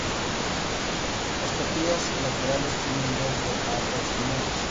Las capillas laterales tienen dos retablos gemelos.